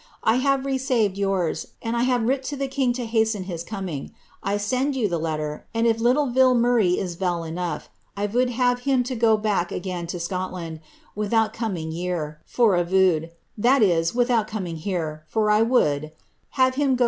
I have reseaved youra, and I have writt to the king to hasten (h)is coming. I send you the lettra, and if litle Vil Murray is vel enouf, I voud liave him go back againe to Scotland, fchUout comin yer^for a voud (witliout coming here, for I would) have him go